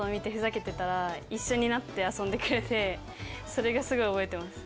それがスゴい覚えてます。